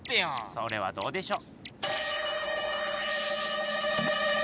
それはどうでしょう？